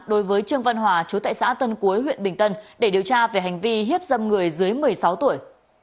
đối với trương văn hòa chú tại xã tân cuối huyện bình tân để điều tra về hành vi hiếp dâm người dưới một mươi sáu tuổi